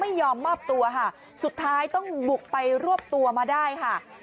ไม่ยอมมอบตัวค่ะสุดท้ายต้องบุกไปรวบตัวมาได้ค่ะ